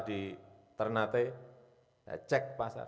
di ternate saya cek pasar